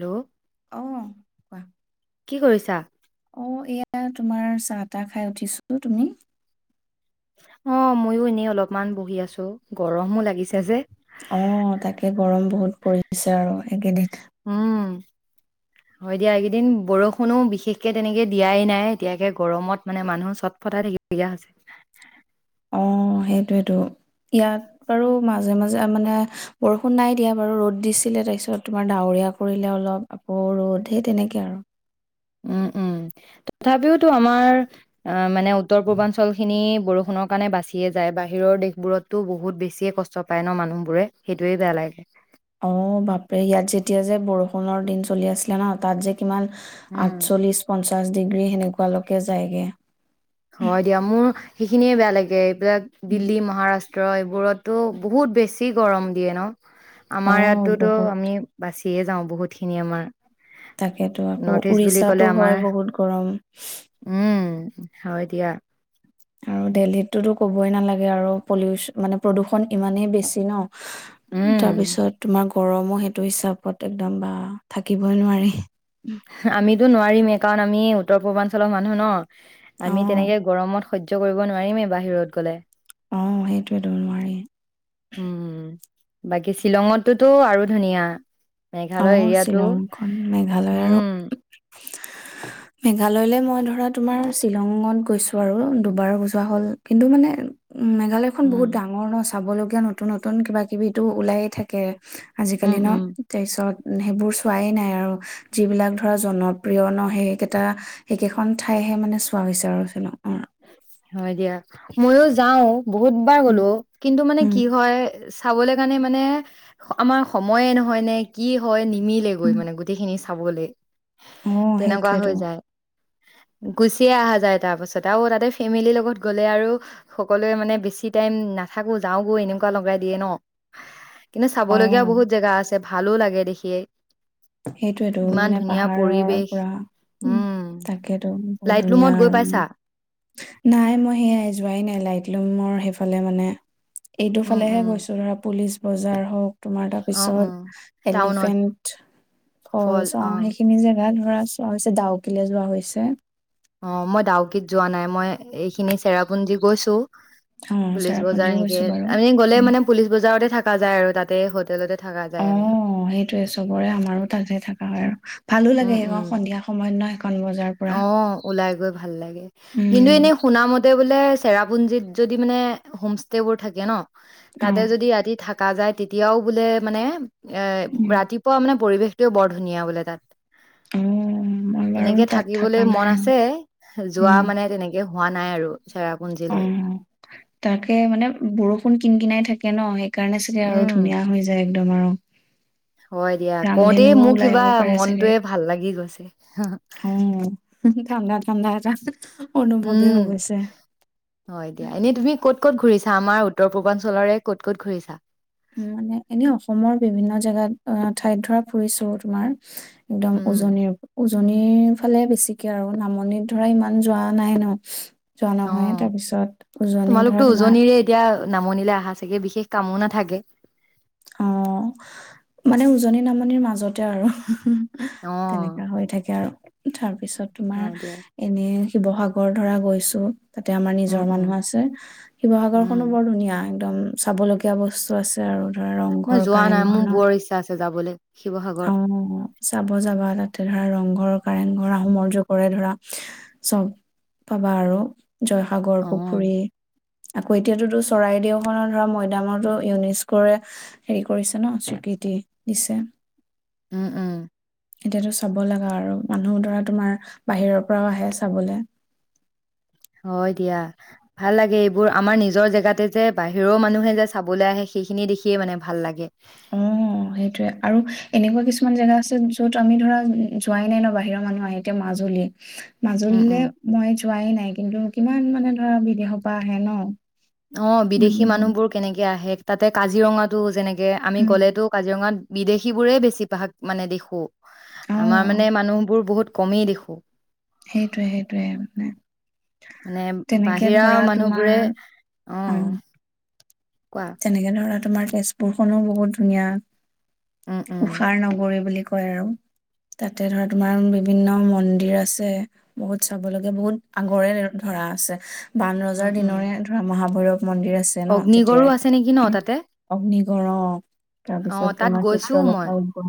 Hello অ অ কি কৰিছা। অ এয়া তোমাৰ চাহ তাহ খাই উঠিছো তুমি অ ময়ো এনেই অলপমান বহি আছো গৰমো লাগিছে যে। অ তাকে গৰম বহুত পৰিছে আৰু তাকে দি উম হয় দিয়া এইকেইদিন বৰষুণো বিশেষকে তেনেকে দিয়াই নাই এতিয়াকে গৰমত মানে মানুহ চট ফটাই থাকিবলগীয়া হৈছে। অঁ সেইটোৱেতো ইয়াত বাৰু মাজে মাজে মানে বৰষুণ নাই দিয়া বাৰু ৰ'দ দিছিলে তাৰপিছত তোমাৰ ডাৱৰীয়া কৰিলে অলপ আকৌ ৰ'দ সেই তেনেকৈ আৰু। উম উম তথাপিওতো আমাৰ আ মানে উত্তৰ পূৰ্বাঞ্চলখিনি। বৰষুণৰ কাৰণে বাচিয়ে যায় বাহিৰৰ দেশবোৰততো বহুত বেছিয়ে কষ্ট পায় ন মানুহবোৰে সেইটোৱেই বেয়া লাগে। অ বাপে ইয়াত যেতিয়া যে বৰষুণ পোন্ধৰ দিন চলি আছিলে ন তাত যে। কিমান উম, আঠচল্লিশ পঞ্চ। পঞ্চাছ ডিগ্ৰী সেনেকুৱালৈকে যায়গে হয় দিয়া মোৰ সেইখিনিয়ে বেয়া লাগে এইবিলাক উম দিল্লী মহাৰাষ্ট্ৰ। ট্ৰ এইবোৰতো বহুত বেছি গৰম দিয়ে ন। অ আমাৰ ইয়াতোতো বহুত আমি বাছি। সিয়ে যাওঁ বহুতখিনি আমাৰ। তাকেতো আকৌ নৰ্থ ইষ্ট বুলি ক'লে উৰিষ্যাতো আমাৰ হয় বহুত গৰম। উম হয় দিয়া। আৰু দেল্লীত টো ক'বই নালাগে আৰু পলিউচ মানে প্ৰদূষণ ইমানেই বেছি ন। উম তাৰপিছত তোমাক। গৰমো সেইটো হিচাপত একদম বা থাকিবই নোৱাৰি। আমি এইটো নোৱাৰিম এই কাৰণ আমি উত্তৰ পূৰ্বাঞ্চলৰ মানুহ ন। অ আমি তেনেকে গৰমত। সহ্য কৰিব নোৱাৰিমেই বাহিৰত গলে আহ সেইটোৱে নোৱাৰি উম বাকী শ্বিলঙতটোতো আৰু ধুনীয়া মেঘালয় অঁ এৰিয়াটো শ্বিলংখন মেঘালয় আৰু উম মেঘালয়লৈ মই ধৰা তোমাৰ শ্বিলঙত গৈছো আৰু দুবাৰ বজোৱা হ'ল কিন্তু মানে উম মেঘালয় খন উম বহুত ডাঙৰ ন চাবলগীয়া নতুন নতুন কিবাকিবিতো ওলায়ে থাকে উম আজিকালি ন উম পিছত সেইবোৰ চোৱাই নাই আৰু যিবিলাক ধৰা জনপ্ৰিয় ন সেইকেইটা সেইকেইখন ঠাইহে মানে চোৱা হৈছে আৰু চ অঁ হয় দিয়া মইয়ো যাওঁ বহুতবাৰ উম গ'লো কিন্তু মানে উম কি হয় চাবলৈ কাৰণে মানে আমাৰ সময়ে নহয় নে কি হয় নি মিলে গৈ মানে গোটেইখিনি চাব গ'লে অঁ সেইটোৱেতো গুচিয়ে অহাঁ যায় তাৰ পাছত তও তাতে ফেমিলিৰ লগত গ'লে আৰু সকলোৱে মানে বেছি টাইম নাথাকো যাওগৈ এনেকুৱা লগাই দিয়ে ন কিন্তু অ চাবলগীয়া বহুত জেগা আছে ভালো লাগে দেখিয়ে সেইটোয়ো ইমান মানে ধুনীয়া পাহাৰৰ পৰিৱেশ পৰা উম তাকেতো বহুত লাইট ধুনীয়া লুমত গৈ আৰু পাইছা একদম নাই মই সেয়াই যোৱাই নলাগ লাইট ফুমৰ সেইফালে মানে এইটো উম ফালেহে উম গৈছো ধৰা পুলিচ বজাৰ হওক তোমাৰ অ অ তাৰপিছত টাউনত এলিফেণ্ট ও ফল চাও অ সেইখিনি যে এয়া ধৰা চোৱা হৈছে ডাউকিলে যোৱা হৈছে অঁ মই ডাউকিত যোৱা নাই মই এইখিনি চেৰাপুঞ্জি গৈছো অ পুলিচ বজাৰ চেৰাপুঞ্জীও এনেকে গৈছো বাৰু। আমি গ'লে মানে পুলিচ বজাৰতে থাক পকা যায় আৰু তাতে হোটেলতে থকা যায় আমি অঁ সেইটোৱে চবৰে আমাৰো তাতহে থকা হয় আৰু ভালো লাগে উম উম সক সন্ধিয়া সময়ত নহয় অ ওলাই গৈ ভাল লাগে কিন্তু উম এনেই শুনা মতে বোলে চেৰাপুঞ্জিত যদি মানে হোম ষ্টে বোৰ থাকে ন অ তাতে যদি ৰাতি থাক থকা যায় তেতিয়াও বোলে মানে এ উম ৰাতিপুৱা মানে পৰিৱেশ সও বৰ ধুনীয়া বোলে তাত অ মই বাৰু তাত থকা থিকিবলৈ নাই মন আৰু আছে যোৱা উম মানে তেনেকে হোৱা নাই আৰু অ চেৰাপুঞ্জীলৈ তাকে মানে বৰষুণ কিন কিনাই থাকে থাকে ন স সেই কাৰণে চাগে আৰু উম ধুনীয়া হৈ যায় দমাৰক হয় দিয়া কওঁতে মোৰ কিবা পাৰে চাগে মনটোয়ে ভাল লাগি গৈছে উম হো হো ঠাণ্ডা পন্দাকাচা উম হয় দিয়া এনেই তুমি ক'ত কত ঘূৰিছা আমাৰ উত্তৰ পূৰ্বাঞ্চলৰে ক' ক'ত ঘূৰিছা উম মানে এনেই অসমৰ বিভিন্ন জেগাত অ ঠাইত ধৰা ফুৰিছো তোমাৰ একদম উম উজনিৰ উজনীৰ ফালে বেছিকে আৰু নামনিত ধৰা ইমান যোৱা নাই ন যোৱা অ নহয়, তাৰপিছত উজনি ধৰা তোমাৰ নামনিলে অহাঁ চাগে বিশেষ কামো নাথাকে অঁ মানে উজনি নামনিৰ মাজতে আৰু অ তেনেককা হৈ থাকে আৰু। উঠাৰ। পিছত তোমাৰ হয় দিয়া এনে শিৱসাগৰ ধৰা গৈছো। তাতে আমাৰ উম নিজৰ উম মানুহ আছে শিৱসাগৰ উম খনো বৰ ধুনীয়া। একদম চাবলগীয়া বস্তু আছে আৰু। ধৰা মই ৰংঘৰ যোৱা নাই মোৰ বোৰৰ ইচ্ছা আছে যাবলে। অঁ চাব যাবা তাতে ধৰা ৰংঘৰ কাৰেংঘৰ আহোমৰ্ অজু কৰে ধৰা চব পাবা আৰু অ জয়সাগৰ পুখুৰী। আকৌ এতিয়াতোতো চৰাইদেউখনৰ ধৰা ময়দামতো ইউনেস্কোৰে হেৰি কৰিছে ন স্বীকৃতি দিছে। উম উম। এতিয়াতো চাব লগা আৰু মানুহ ধৰা তোমাৰ বাহিৰৰ পৰাও আহে চাবলে। হয়। এতিয়া ভাল লাগে। এইবোৰ আমাৰ নিজৰ জেগাতে যে বাহিৰৰ মানুহে যে চাবলৈ আহে সেইখিনিয়ে দেখিয়ে মানে ভাল লাগে। অঁ সেইটয়ে আৰু এনেকুৱা কিছুমান জেগা আছে যত আমি ধৰা যোৱাই নাই ন বাহিৰৰ মানুহ আহে এতিয়া মাজুলী। উম উম মাজুলীলে মই যোৱাই নাই কিন্তু কিমান মানে ধৰা বিদেশৰ পৰা আহে ন অঁ বিদেশী মানুহবোৰ কেনেকে আহে। তাতে কাজিৰঙাতো যেনেক এ আমি উম, গ'লেতো কাজিৰঙাত বিদেশী বোৰেই বেছি ভাগ মানে দেখোঁ আমাৰ অ', মানে মানুহ বোৰ বহুত কমেই দেখোঁ সেইটোয়ে সেইটোয়ে মানে মানে তেনেকে বাহিৰা ধৰা তোমাৰ মানুহবোৰে অ কোৱা তেনেকে ধৰা তোমাৰ তেজপুৰখনো বহুত ধুনীয়া উম উম কুষাৰ নগৰে বুলি কয় কয় আৰু তাতে ধৰা তোমাৰ বিভিন্ন মন্দিৰ আছে বহুত চাব লগে বহুত আগৰে ধৰা আছে বান ৰজাৰ উম উম দিনৰে ধৰা ম ম মন্দিৰ আছে ন অগ্নিগড়ো আছে নেকি ন তেতিয়াৰে তাতে অগ্নিগড়ৰ অ অ তাৰপিছত তাত তোমাৰ গৈছো মই চিত্ৰলেখা উ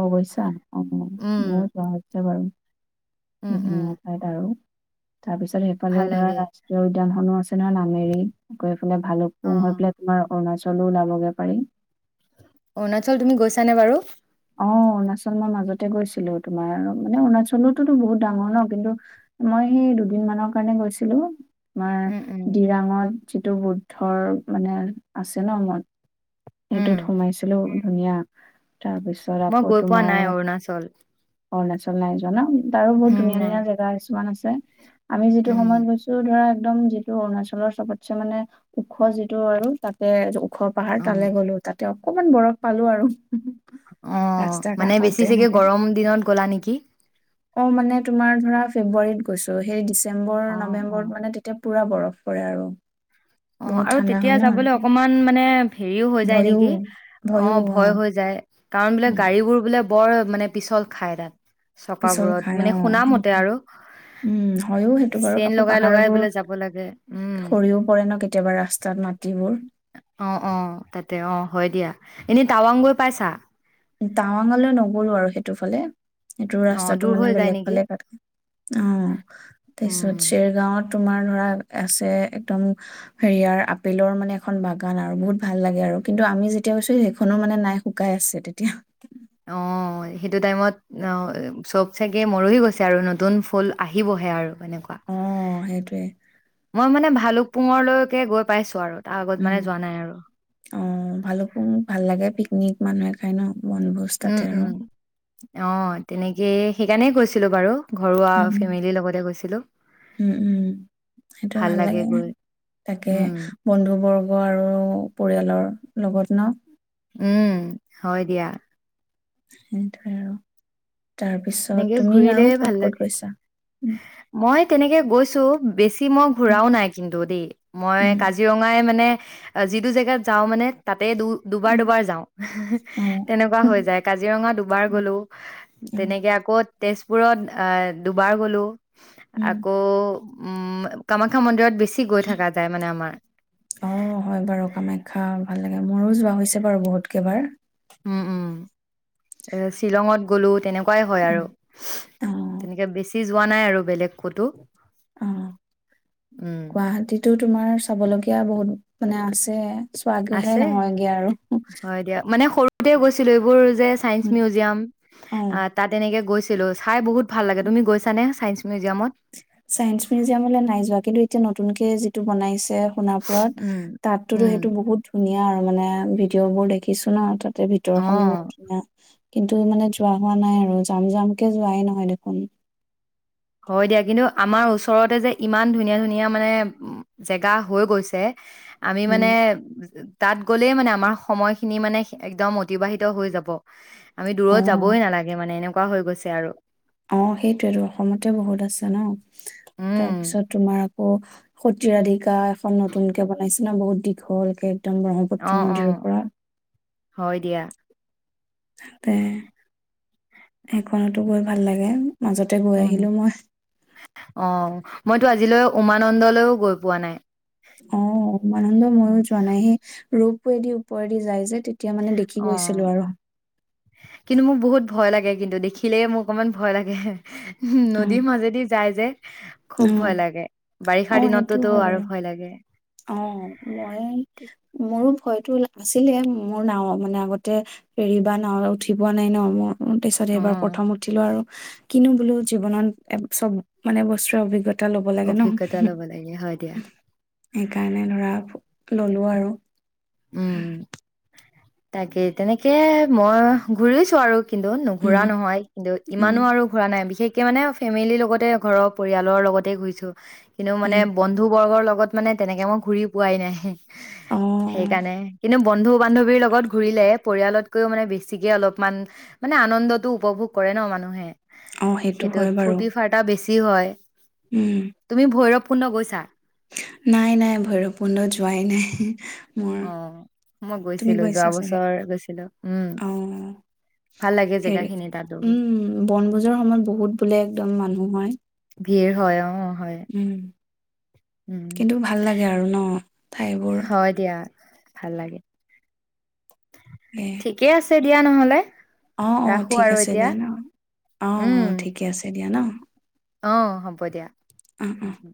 অ গৈছা অ মই উম মোৰ যোৱা হৈছে বাৰু উম উম বিভিন্ন ঠাইত আৰু তাৰপিছত সেইফালে ভাল ধৰা লাগে ৰাষ্ট্ৰীয় উদ্যান হনৰচিনেহৰ নামেৰি গৈ ভালোক অ কুম হৈ পেলাই অৰুণাচলো ওলাবগৈ পাৰি অৰুণাচল তুমি গৈছানে বাৰু? অ অৰুণাচল মই মাজতে গৈছিলো তোমাৰ মানে অৰুণাচলোতোতো বহুত ডাঙৰ ন কিন্তু মই সেই দুদিন মানৰ কাৰণে গৈছিলোঁ আমাৰ উম উম ডিৰাঙত যিটো বুদ্ধৰ মানে আছে ন মন উম সেইটোত সোমাইছিলো ধুনীয়া তাৰপিছত মই আকৌ গৈ পোৱা তোমাৰ নাই অৰুণাচল অৰুণাচল নাই যোৱা ন তাৰো বহুত উম ধুনীয়া নাই ধুনীয়া জেগা কিছুমান আছে আমি যিটো উম সময়ত গৈছো ধৰা একদম যিটো অৰুণাচলৰ চবতছে মানে ওখ যিটো আৰু তাতে ওখ পাহাৰ অ তালে গ'লো তাত এতিয়া অকণমান বৰফ পালো আৰু অঁ ৰাস্তা কাষত এনেকে গ'লা নেকি? অ মানে তোমাৰ ধৰা ফেব্ৰুৱাৰীত গৈছো সেই দি ডিচেম্বৰ অ নৱেম্বৰত মানে তেতিয়া পুৰা বৰফ পৰে আৰু অ বহুত আৰু ঠাণ্ডা তেতিয়া হয় ন যাবলৈ তাতে অকমান মানে হেৰিও হৈ যায় ভয়ো নেকি অ ভয় হৈ যায় কাৰণ বোলে উম গাড়ী বোৰ বোলে বৰ মানে পিছল খায় তাত পিছল চকাবোৰত খাই অ মানে শুনা মতে সেইটো আৰু উম হয়ও সেইটো বাৰু চেইন কাকো লগাই লগাই পাহাৰবোৰ বোলে সৰিও পৰে ন কেতিয়াবা ৰাস্তাত মাটিবোৰ। অঁ অঁ তাতে অঁ হয় দিয়া এনেই টাৱাং গৈ পাইছা টাৱাঙলে নগলো আৰু সেইটোফালে সেইটো অ ৰাস্তাটো দূৰ মানে হৈ যায় বেলেগ নেকি বেলেগ থে অ উম তাৰিছত চেৰগাঁৱত তোমাৰ ধৰা আছে একদম হেৰিয়াৰ আপেলৰ মানে এখন বাগান আৰু বহুত ভাল লাগে আৰু কিন্তু আমি যেতিয়া কৈছো সেইখনো মানে নাই শুকাই আছে তে কতিয়া অ সেইটো টাইমত চব চাগে মৰহি গৈছে আৰু নতুন ফুল আহিবহে আৰু তেনেকুৱা অ সেইটোৱে মই মানে ভা ভালুকপুঙলৈকে গৈ পাইছোঁ আৰু তাৰ আগত মানে উম যোৱা নাই আৰু অঁ ভালোকপুং মোক ভাল লাগে পিকনিক মানুহে খাই ন বনভোজ উম তাতে আৰু উম অঁ তেনেকেই সেইকাৰণেই কৈছিলোঁ বাৰু ঘৰুৱা উ ফেমিলিৰ লগতে গৈছিলো উম উম সেইটোয়ে ভাল লাগে তাকে উম বন্ধু বৰ্গ আৰু পৰিয়ালৰ লগত ন উম হয় দিয়া সেইটোৱে আৰু তাৰ পিছত এনেকে তুমি ঘূৰিলে আৰু ভাল ক'ত ক'ত লাগে গৈছা মই তেনেকে গৈছো বেছি মই ঘুৰাও নাই কিন্তু দেই মই উম, কাজিৰঙাই মানে যিটো জেগাত যাওঁ মানে তাত তাতে দুবাৰ দুবাৰ যাওঁ অ, তেনেকুৱা হৈ যাই কাজিৰঙা দুবাৰ উম, গোলো তেনেকে তেজপুৰত আহ দুবাৰ গলো উম। আকৌ উম কামাখ্যা মন্দিৰত বেছি গৈ থকা যায় মানে আমাৰ অ হয় বাৰু কামাখ্যা ভাল লাগে মোৰো যোৱা হৈছে বাৰু বহুতকেইবাৰ উম উম শ্বিলঙত গ'লো তেনেক হয় হয় আৰু অ, তেনেকে বেছি যোৱা নাই আৰু বেলেগ ক'তো অ, উম গুৱাহাটীতো তোমাৰ চাব লগগীয়া বহুত মানে আছে চোৱাগৈহে আছে নহয়গে আৰু গতে গৈছিলো এইবোৰ যে চাইন্স মিউজিয়াম অ, তাত এনেকে গৈ চাই বহুত ভাল লাগে তুমি গৈছােচা নে চাইন্স মিউজিয়ামত চাইন্স মিউজিয়ামলৈ নাই যোৱা কিন্তু এতিয়া নতুন নতুনকে যিটো বনাইছে সোণাপুৰত উম তাততোতো উম সেইটো বহুত ধুনীয়া আৰু মানে ভিডিঅ' বোৰ দেখিছো ন আৰু তাত তাতে ভিতৰখনো অ মধীয়া কিন্তু মানে যোৱা হোৱা নাই আৰু জাম জামকে যোৱাই নহয় দেখোন হয় দিয়া কিন্তু আমাৰ ওচৰতে যে ইমান ধুনীয়া ধুনীয়া মানে জেগা হৈ গৈছে আমি মানে উম তাত গলেই মানে আমাৰ সময়খিনি মানে একদম অতিবাহিত হৈ যাব আমি অ দূৰত যাবই নালাগে মানে এনেকোৱা কোৱা হৈ গৈছে আৰু অ সেইটোয়টো অসমতে বহুত আছে ন উম তাৰপিছত তোমাৰ অ সতীয়াধিকাৰ এখন নতুনকে বনাইছে না বহুত দীঘল হলগে উত্তম অ ব্ৰহ্মপুত্ৰ অ নদীৰ পৰা হয় দিয়া তাতে সেইখনতো গৈ ভাল লাগে মাজতে গৈ উম আহিলোঁ মই অ মইতো আজিলৈ উমানন্দলৈও গৈ পোৱা নাই অ উমানন্দ ময়ো যোৱা নাই সেই ৰূপ দি ওপৰেদি যায় যে তে অঁ কিন্তু মোক বহুত ভয় লাগে কিন্তু দেখিলে মোৰ অকনমান ভয় লাগে অ', নদীৰ মাজেদি যায় যে খুব অ', ভয় লাগে বাৰিষাৰ দিনতেটো আৰু ভয় লাগে অঁ মই মোৰো ভয়তো ওলাল আছিলে মোৰ নাঁওত মানে আগতে ফেৰি বা নাওঁত উঠি পোৱা নাই ন মই তাৰ পিছত এবাৰ অ প্ৰথম উঠিলোঁ আৰু কিনো বোলো জীৱনত চব মানে বস্তুৰে অভিজ্ঞতা এটা ল'ব লাগে ন অভিজ্ঞতা ল'ব লাগে হয় দিয়া সেইকাৰণে ধৰা ললো আৰু উম হম তাকে তেনেকে মই ঘূৰিছো আৰু কিন্তু নুঘোৰা উম, নহয় কিন্তু উম, ইমানো আৰু ঘুৰা নাই বিশেষ তেওঁ মানে ফেমিলিৰ লগতে ঘৰৰ পৰিয়ালৰ লগতে ঘুৰিছো কিন্তু মানে উম, বন্ধু বৰ্গৰ লগত লগত মানে তেনেকে মই ঘুৰি পোৱাই নাই অ', সেইকাৰণে কিন্তু বন্ধু বান্ধৱীৰ লগত ঘূৰিলে পৰিয়ালত কৌয় মানে বেছিকে অলপমান মানে আনন্দতটো উপভোগ কৰে ন মানুহে অঁ সেইটো হয় বাৰু সেইটো হয় উম, তুমি ভৈৰপূণ সম্পূৰ্ণ গৈছা নাই নাই ভৈৰপূৰ্ণ যোৱাই নাই উম অ মই তুমি গৈছিলো যোৱা গৈছা চাগে বছৰ গৈছিলো উম অ ভাল লাগে জেগা হেৰি খিনি তাতো গৈ। উম বনভোজৰ সময়ত বহুত বোলে একদম মানুহ হয় ভিৰ হয় অ হয় উম, উম কিন্তু ভাল লাগে আৰু ন ঠাইবোৰ হয় দিয়া ভাল লাগে ঠিকে আছে দিয়া নহলে অঁ অঁ ৰাখো ঠিক আৰু আছে এতিয়া দিয়া ন অঁ অঁ ঠিকে আছে দিয়া ন অঁ হ'ব হব দিয়া অ', অ'। উম উম